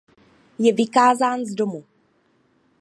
Je vykázán z domu.